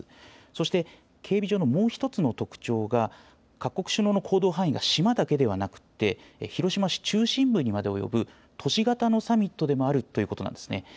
そして、警備上のもう一つの特徴が、各国首脳の行動範囲が島だけではなくて、広島市中心部にまで及ぶ都市型のサミットでもあるということなんですね。